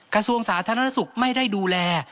กระทรวงสาธารณสุขไม่ได้ดูแล